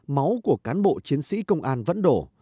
máu của cán bộ chiến sĩ công an vẫn đổ